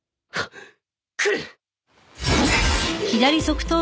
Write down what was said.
来る！